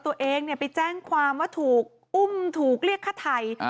ตัวเองไปแจ้งความว่าถูกอุ้มถูกเรียกฆ่าไทย